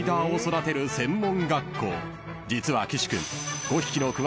［実は岸君］